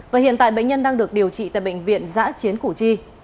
và hiện tại bệnh nhân đang được điều trị tại bệnh viện giã chiến củ chi